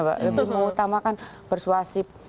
lebih mengutamakan persuasif